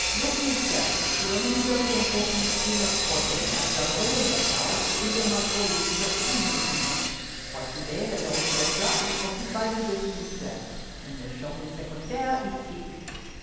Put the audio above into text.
Look you, sir, the enemies of the unfortunate Queen of Scotland have done all in their power to hinder my colleague from seeing the Queen, but to day the Lord Treasurer is occupied at Westminster, and Monsieur le Secretaire is sick.